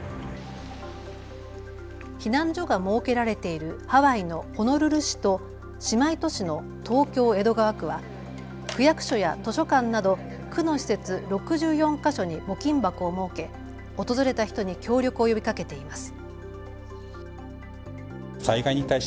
避難所が設けられているハワイのホノルル市と姉妹都市の東京江戸川区は区役所や図書館など区の施設６４か所に募金箱を設け訪れた人に協力を呼びかけています。